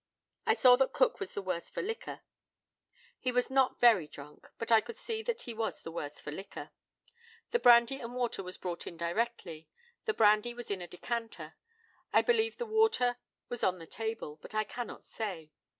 I saw that Cook was the worse for liquor. He was not very drunk, but I could see that he was the worse for liquor. The brandy and water was brought in directly. The brandy was in a decanter. I believe the water was on the table, but cannot say.